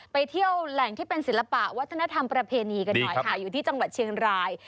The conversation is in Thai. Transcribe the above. ไปเที่ยวแหล่งที่เป็นศิลปะวัฒนธรรมประเพณีกันหน่อยค่ะอยู่ที่จังหวัดเชียงราย